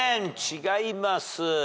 違います。